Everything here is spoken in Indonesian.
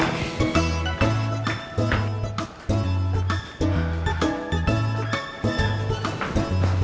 nanti aku kutulit dulu ya